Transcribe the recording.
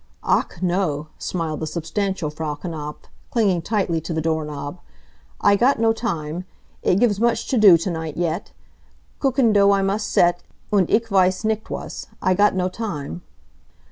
"Ach, no!" smiled the substantial Frau Knapf, clinging tightly to the door knob. "I got no time. It gives much to do to night yet. Kuchen dough I must set, und ich weiss nicht was. I got no time."